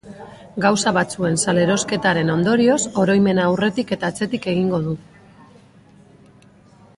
Gauza batzuen salerosketaren ondorioz, oroimena aurretik eta atzetik egingo du.